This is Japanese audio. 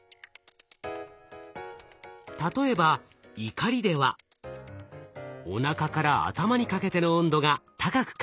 例えば「怒り」ではおなかから頭にかけての温度が高く感じられています。